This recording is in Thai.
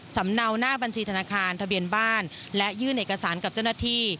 เนาหน้าบัญชีธนาคารทะเบียนบ้านและยื่นเอกสารกับเจ้าหน้าที่